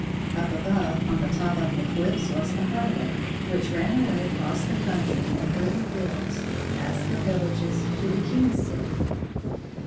Up above on the top of the cliffs was the highway, which ran away across the country and through the fields, past the villages, to the King^s city.